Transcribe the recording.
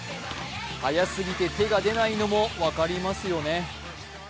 速すぎて手が出ないのも分かりますよね。